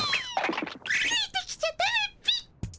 ついてきちゃダメっピッ。